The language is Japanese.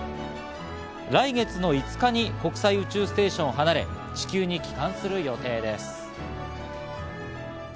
来月の５日に国際宇宙ステーションを離れ地球に帰還する予定です。